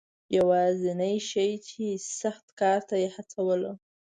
یوازنی شی چې سخت کار ته یې هڅولم.